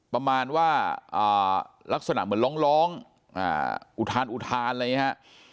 ประมาณว่าลักษณะเหมือนร้องอุทานอุทานอะไรอย่างนี้ฮะ